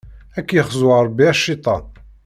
Ad k-yexzu Rebbi a cciṭan!